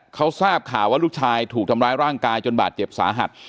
เขาทราบข่าวว่าลูกชายถูกทำร้ายร่างกายจนบาดเจ็บสาหัส